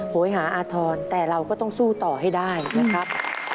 โหยหาอาธรณ์แต่เราก็ต้องสู้ต่อให้ได้นะครับ